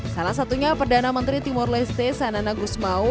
salah satunya perdana menteri timur leste sanana gusmao